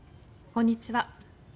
こんにちは。